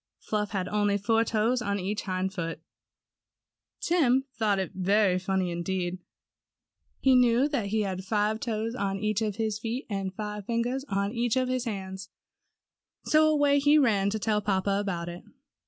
Fluff had only four toes on each hind foot. Tim thought that very funny indeed. He knew that he had five toes on each of his feet, and five fingers on each of his hands, so away he ran to tell papa about it.